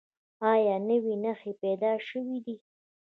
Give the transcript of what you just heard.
ایا نوي نښې پیدا شوي دي؟